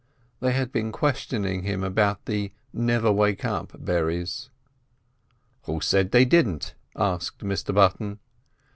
They had been questioning him about the "never wake up" berries. "Who said they didn't?" asked Mr Button.